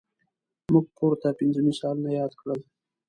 موږ پورته پنځه مثالونه یاد کړل.